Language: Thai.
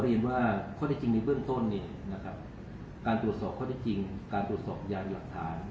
เรียนว่าข้อได้จริงในเบื้องต้นเนี่ยนะครับการตรวจสอบข้อได้จริงการตรวจสอบยานหลักฐาน